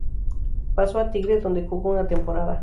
Pasó a Tigre, donde jugó una temporada.